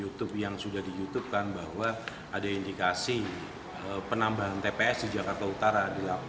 youtube yang sudah di youtube kan bahwa ada indikasi penambahan tps di jakarta utara